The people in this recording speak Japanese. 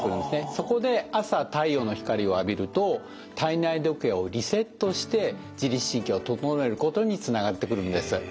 そこで朝太陽の光を浴びると体内時計をリセットして自律神経を整えることにつながってくるんです。